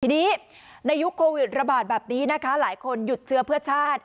ทีนี้ในยุคโควิดระบาดแบบนี้นะคะหลายคนหยุดเชื้อเพื่อชาติ